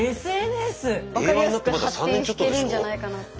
分かりやすく発展してるんじゃないかなって。